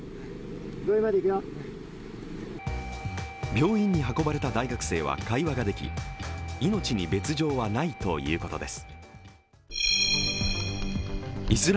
病院に運ばれた大学生は会話ができ命に別状はないということです。